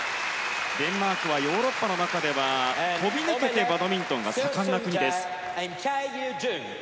デンマークはヨーロッパの中では飛び抜けてバドミントンが盛んな国です。